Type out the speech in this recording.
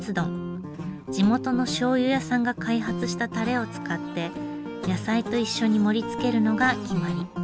地元のしょうゆ屋さんが開発したたれを使って野菜と一緒に盛りつけるのが決まり。